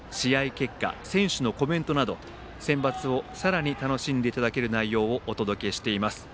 結果選手のコメントなどセンバツをさらに楽しんでいただける情報をお届けしています。